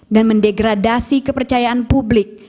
mendegradasi kepercayaan publik